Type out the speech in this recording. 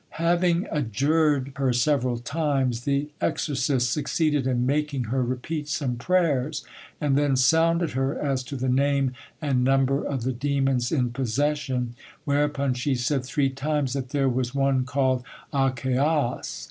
Having adjured her several times, the exorcist succeeded in making her repeat some prayers, and then sounded her as to the name and number of the demons in possession, whereupon she said three times that there was one called Achaos.